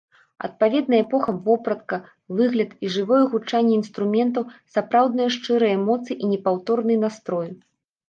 Адпаведная эпохам вопратка, выгляд і жывое гучанне інструментаў, сапраўдныя шчырыя эмоцыі і непаўторны настрой!